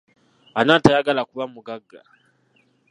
Ani atayagala kuba mugagga?